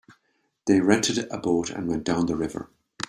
They rented a boat and went down the river.